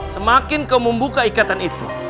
semakin kau membuka ikatan itu